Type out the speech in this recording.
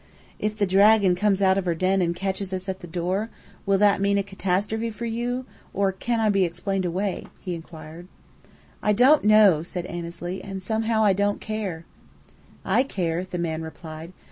"If the dragon comes out of her den and catches us at the door, will that mean a catastrophe for you, or can I be explained away?" he inquired. "I don't know," said Annesley. "And somehow I don't care!" "I care," the man replied.